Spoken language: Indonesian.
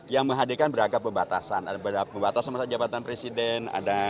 yang menghadirkan beragam bebatasan ada bebatasan masalah jabatan presiden